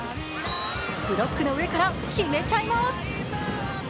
ブロックの上から決めちゃいます。